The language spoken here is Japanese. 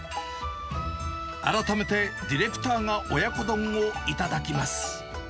改めてディレクターが親子丼を頂きます。